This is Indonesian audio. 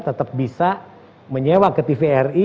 tetap bisa menyewa ke tvri